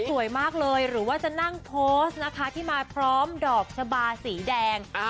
สวยมากเลยหรือว่าจะนั่งโพสต์นะคะที่มาพร้อมดอกชะบาสีแดง